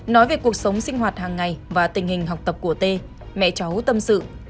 nói về cuộc sống sinh hoạt hàng ngày và tình hình học tập của t mẹ cháu tâm sự